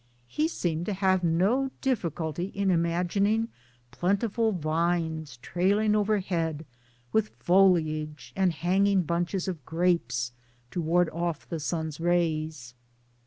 he seemed to have no difficulty in imagining plentiful vines trailing overhead, with foliage and hanging bunches of grapes, to ward off the sun's rays.